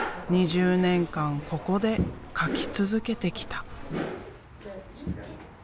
２０年間ここで描き続けてきた。